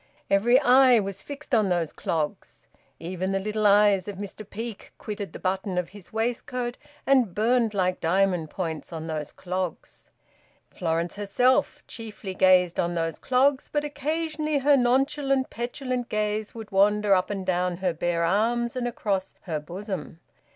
Every eye was fixed on those clogs; even the little eyes of Mr Peake quitted the button of his waistcoat and burned like diamond points on those clogs. Florence herself chiefly gazed on those clogs, but occasionally her nonchalant petulant gaze would wander up and down her bare arms and across her bosom.